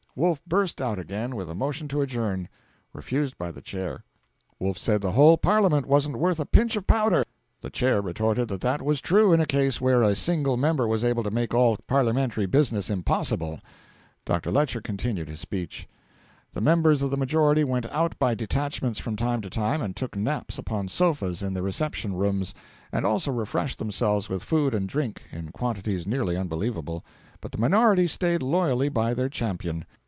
Wolf burst out again with a motion to adjourn. Refused by the Chair. Wolf said the whole Parliament wasn't worth a pinch of powder. The Chair retorted that that was true in a case where a single member was able to make all parliamentary business impossible. Dr. Lecher continued his speech. The members of the Majority went out by detachments from time to time and took naps upon sofas in the reception rooms; and also refreshed themselves with food and drink in quantities nearly unbelievable but the Minority stayed loyally by their champion.